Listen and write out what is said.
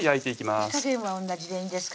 火加減は同じでいいんですか？